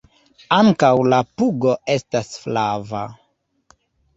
Ankaŭ la pugo estas flava.